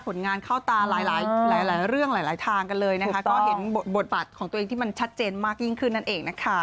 ผลงานเข้าตาหลายหลายเรื่องหลายทางกันเลยนะคะก็เห็นบทบาทของตัวเองที่มันชัดเจนมากยิ่งขึ้นนั่นเองนะคะ